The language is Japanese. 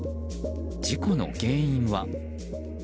事故の原因は？